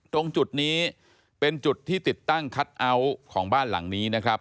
ตรงจุดนี้เป็นจุดที่ติดตั้งคัทเอาท์ของบ้านหลังนี้นะครับ